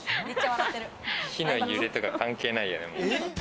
火の揺れとか関係ないよね。